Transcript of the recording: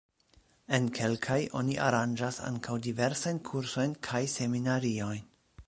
En kelkaj oni aranĝas ankaŭ diversajn kursojn kaj seminariojn.